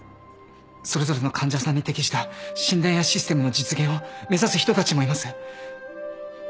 それぞれの患者さんに適した診断やシステムの実現を目指す人たちもいます。